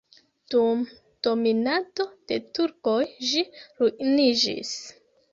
Dum dominado de turkoj ĝi ruiniĝis.